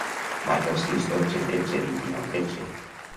Marca el sis, dotze, tretze, vint-i-nou, tretze.